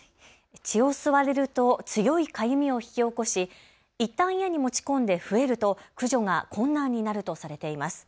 血を吸われると強いかゆみを引き起こす、いったん家に持ち込んで増えると駆除が困難になるとされています。